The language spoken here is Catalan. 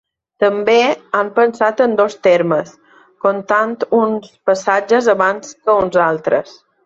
També han pensat en dos termes: comptant uns passatges abans que uns altres.